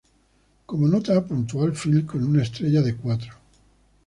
Como nota puntuó al film con una estrella de cuatro.